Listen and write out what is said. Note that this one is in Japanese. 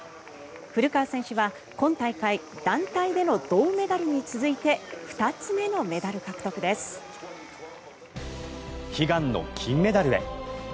古川選手は今大会団体での銅メダルに続いて２つ目のメダル獲得です。